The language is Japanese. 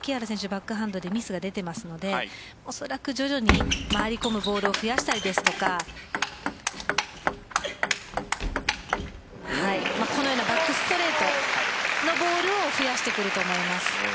バックハンドでミスが出ているのでおそらく徐々に回り込むボールを増やしたりですとかこのようにバックストレートのボールを増やしてくると思います。